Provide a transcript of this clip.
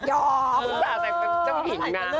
สาวใส่เป็นเจ้าหิ่งนะ